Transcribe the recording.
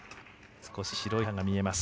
少し白い歯が見えます。